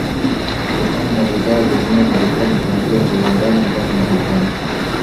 kutokana na bidhaa zenyewe madukani kwanzia viwandani mpaka madukani